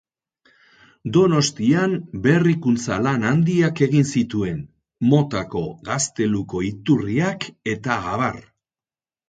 Donostian berrikuntza-lan handiak egin zituen: Motako gazteluko iturriak, eta abar.